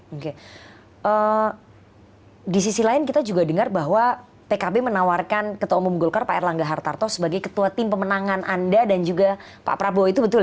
oke di sisi lain kita juga dengar bahwa pkb menawarkan ketua umum golkar pak erlangga hartarto sebagai ketua tim pemenangan anda dan juga pak prabowo itu betul